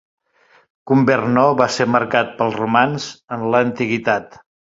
Cumbernauld va ser marcat pels romans en l'antiguitat.